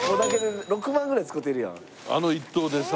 あの一投でさ。